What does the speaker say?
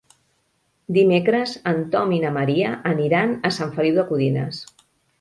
Dimecres en Tom i na Maria aniran a Sant Feliu de Codines.